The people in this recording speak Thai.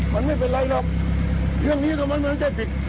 มันไม่เป็นไรหรอกเรื่องนี้ก็มันไม่ได้ผิด